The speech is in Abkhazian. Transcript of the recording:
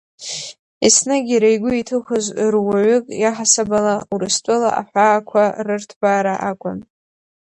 Еснагь иара игәы иҭыхоз, руаҩык иаҳасаб ала, Урыстәыла аҳәаақәа рырҭбаара акәын.